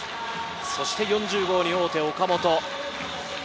そして４０号に王手、岡本。